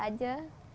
ya jangan sampai sakit